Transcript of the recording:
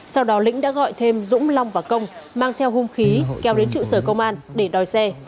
sau đó lĩnh đã gọi thêm dũng long và công mang theo hung khí kéo đến trụ sở công an để đòi xe